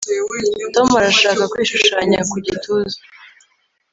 Tom arashaka kwishushanya ku gituza